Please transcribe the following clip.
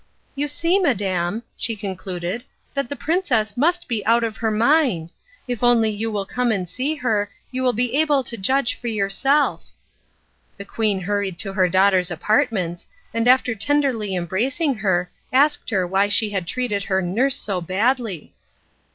"You see, madam," she concluded, "that the princess must be out of her mind. If only you will come and see her, you will be able to judge for yourself." The queen hurried to her daughter's apartments, and after tenderly embracing her, asked her why she had treated her nurse so badly.